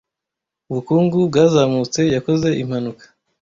Ubukungu bwazamutse yakoze impanuka